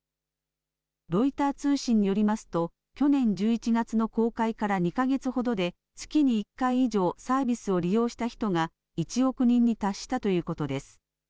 ロイター通信によりますと去年１１月の公開から２か月ほどで月に１回以上、サービスを利用した人が１億人に達したということです。